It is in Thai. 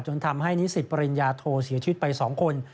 ทำให้นิสิตปริญญาโทเสียชีวิตไป๒คน